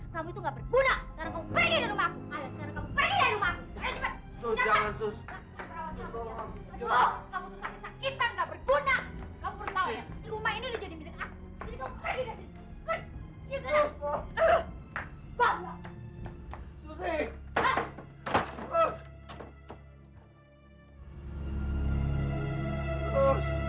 kamu itu gak berguna sekarang kamu pergi dari rumah aku